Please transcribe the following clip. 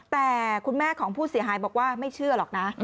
แต่คุณแม่ของผู้เสียหายบอกว่าไม่เชื่อหรอกนะ